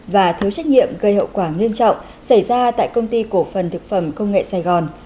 và thiếu trách nhiệm gây hậu quả nghiêm trọng xảy ra tại công ty cổ phần thực phẩm công nghệ sài gòn